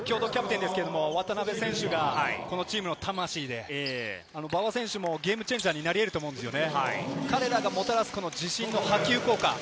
八村選手が得点源で、渡邊選手がこのチームの魂で、馬場選手もゲームチェンジャーになり得ると思うんですよね。